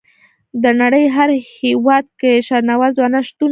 د نړۍ هر هيواد کې شرنوال ځوانان شتون لري.